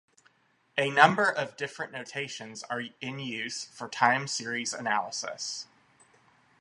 A number of different notations are in use for time-series analysis.